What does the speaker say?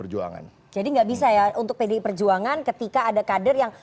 jadi gak bisa ya untuk pdi perjuangan ketika ada kader yang